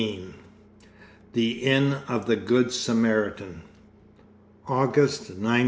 XVI THE INN OF THE GOOD SAMARITAN _August, 1915.